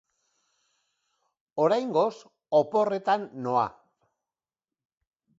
Oraingoz, oporretan noa.